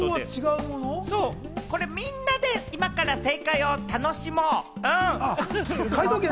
みんなで今から正解を楽しもう！